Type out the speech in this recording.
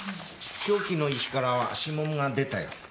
凶器の石からは指紋が出たよ。